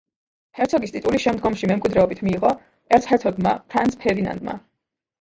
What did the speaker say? ჰერცოგის ტიტული შემდგომში მემკვიდრეობით მიიღო ერცჰერცოგმა ფრანც ფერდინანდმა.